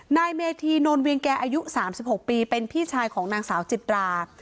นายเมธีนนเวียงแก่อายุ๓๖ปีเป็นพี่ชายของนางสาวจิตรา